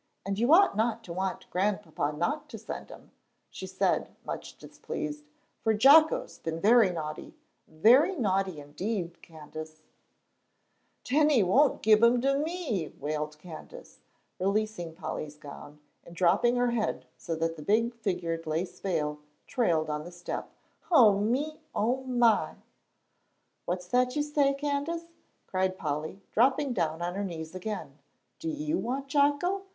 "And you ought not to want Grandpapa not to send him," she said, much displeased, "for Jocko's been very naughty; very naughty indeed, Candace." "Den he won' gib him to me," wailed Candace, releasing Polly's gown, and dropping her head so that the big figured lace veil trailed on the step. "O me O my!" "What's that you say, Candace?" cried Polly, dropping down on her knees again. "Do you want Jocko?"